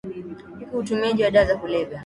liki utumiaji wa dawa za kulevya